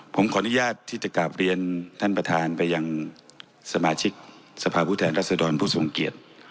ผมขออนุญาตที่จะกลับเรียนท่านประธานไปยังสมาชิกสภาพผู้แทนรัศดรผู้ทรงเกียจ